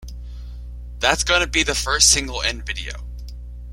That's gonna be the first single and video.